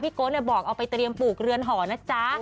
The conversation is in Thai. โก๊บอกเอาไปเตรียมปลูกเรือนหอนะจ๊ะ